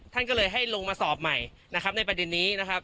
ท่านก็เลยให้ลงมาสอบใหม่นะครับในประเด็นนี้นะครับ